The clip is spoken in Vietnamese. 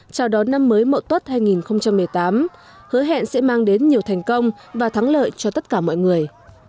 chào đón năm mới mậu tuất hai nghìn một mươi tám hứa hẹn sẽ mang đến nhiều thành công và thắng lợi cho tất cả mọi người